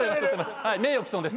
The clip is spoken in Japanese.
名誉毀損です。